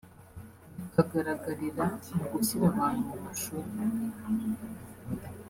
bikagaragarira mu gushyira abantu mu mashuri